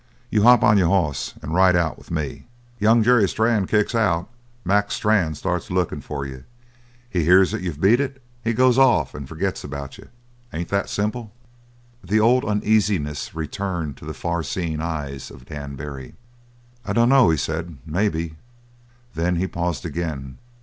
You hop on your hoss and ride out with me. Young Jerry Strann kicks out Mac Strann starts lookin' for you he hears that you've beat it he goes off and forgets about you. Ain't that simple?" The old uneasiness returned to the far seeing eyes of Dan Barry. "I dunno," he said, "maybe " Then he paused again.